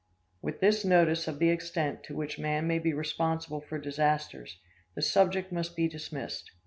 With this notice of the extent to which man may be responsible for disasters, the subject must be dismissed.